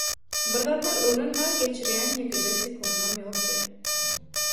Birzatlar öwrenmän geçirýän ýekeje sekundymam ýokdy.